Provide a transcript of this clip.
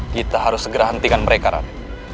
kita harus segera hentikan mereka rapi